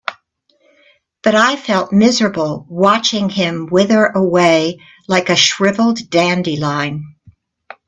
But I felt miserable watching him wither away like a shriveled dandelion.